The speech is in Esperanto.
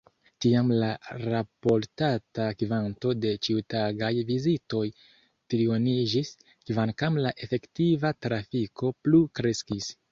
Tiam la raportata kvanto de ĉiutagaj vizitoj trioniĝis, kvankam la efektiva trafiko plu kreskis.